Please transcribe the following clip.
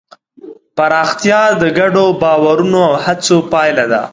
پراختیا د ګډو باورونو او هڅو پایله ده.